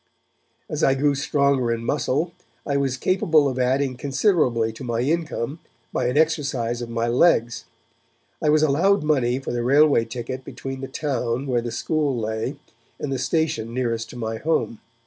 As I grew stronger in muscle, I was capable of adding considerably to my income by an exercise of my legs. I was allowed money for the railway ticket between the town where the school lay and the station nearest to my home.